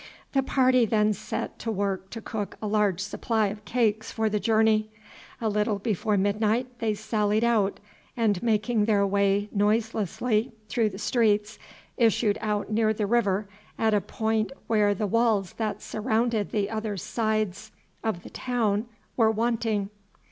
The party then set to work to cook a large supply of cakes for the journey. A little before midnight they sallied out, and making their way noiselessly through the streets issued out near the river at a point where the walls that surrounded the other sides of the town were wanting.